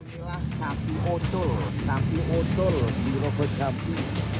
inilah sapi otol sapi otol di rogo jampi